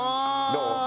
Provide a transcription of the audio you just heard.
どう？